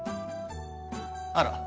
あら。